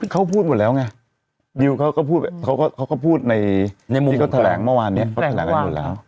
เขาพูดหมดแล้วไงดิวเขาก็พูดในที่เขาแถลงเมื่อวานเนี่ยเขาแถลงกันหมดแล้ว